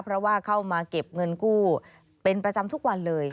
เพราะว่าเข้ามาเก็บเงินกู้เป็นประจำทุกวันเลย